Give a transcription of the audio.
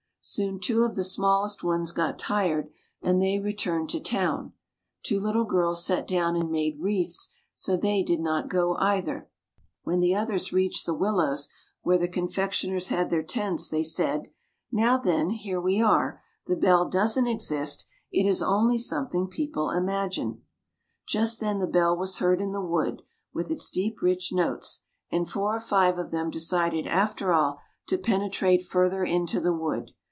Soon two of the smallest ones got tired and they returned to town; two little girls sat down and made wreaths, so they did not go either. When the others reached the willows where the confectioners had their tents, they said, " Now, then, here we are; the bell doesn't exist, it is only something people imagine! " Just then the bell was heard in the wood, with its deep rich notes; and four or five of them decided after all to penetrate further into the wood.